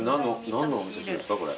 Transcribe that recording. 何のお味噌汁ですかこれ。